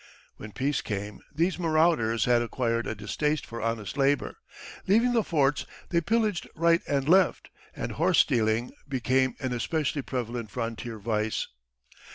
When peace came these marauders had acquired a distaste for honest labor; leaving the forts, they pillaged right and left, and horse stealing became an especially prevalent frontier vice.